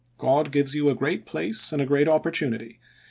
God gives you a great place and a great opportunity.